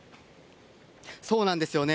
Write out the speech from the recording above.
そうなんですよね。